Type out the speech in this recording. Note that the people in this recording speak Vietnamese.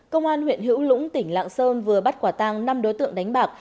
công an huyện hữu lũng tỉnh lạng sơn vừa bắt quả tăng năm đối tượng đánh bạc